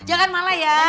jangan malah ya